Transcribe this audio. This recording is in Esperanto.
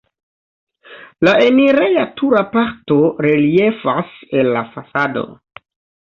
La enireja-tura parto reliefas el la fasado.